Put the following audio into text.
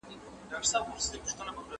¬ مېږه چي پمنه سي، هر عيب ئې په کونه سي.